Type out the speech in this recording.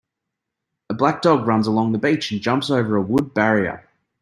A black dog runs along the beach and jumps over a wood barrior.